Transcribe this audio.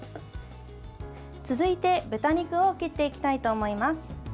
続いて、豚肉を切っていきたいと思います。